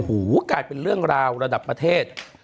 กลายเป็นเรื่องราวระดับประเทศ